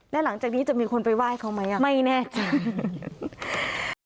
แล้วหลังจากนี้จะมีคนไปไหว้เขาไหมอ่ะไม่แน่ใจ